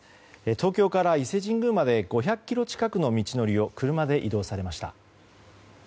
東京から伊勢神宮まで５００ｋｍ近くの道のりを車で移動されました。